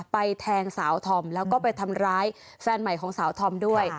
แทงสาวธอมแล้วก็ไปทำร้ายแฟนใหม่ของสาวธอมด้วย